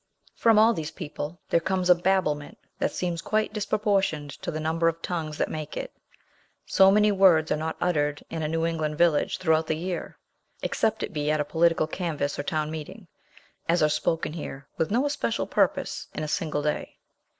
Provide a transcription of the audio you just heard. From all these people there comes a babblement that seems quite disproportioned to the number of tongues that make it. So many words are not uttered in a New England village throughout the year except it be at a political canvass or town meeting as are spoken here, with no especial purpose, in a single day.